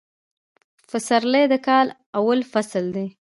فسرلي د کال اول فصل دي